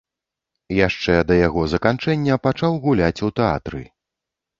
Яшчэ да яго заканчэння пачаў гуляць у тэатры.